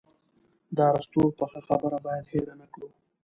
د ارسطو پخه خبره باید هېره نه کړو.